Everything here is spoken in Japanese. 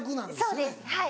そうですはい。